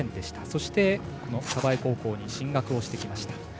そして、鯖江高校に進学をしてきました。